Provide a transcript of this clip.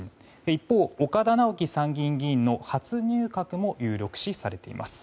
一方、岡田直樹参議院議員の初入閣も有力視されています。